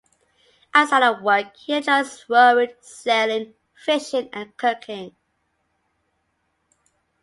Outside of work, he enjoys rowing, sailing, fishing and cooking.